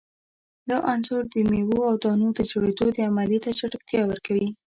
دا عنصر د میو او دانو د جوړیدو عملیې ته چټکتیا ورکوي.